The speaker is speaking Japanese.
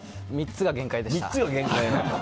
３つが限界でした。